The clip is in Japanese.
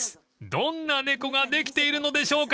どんな猫ができているのでしょうか］